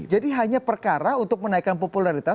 jadi hanya perkara untuk menaikkan popularitas